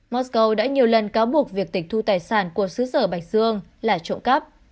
mosco đã nhiều lần cáo buộc việc tịch thu tài sản của xứ sở bạch dương là trộm cắp